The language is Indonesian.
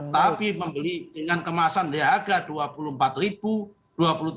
tapi membeli dengan kemasan lehaga rp dua puluh empat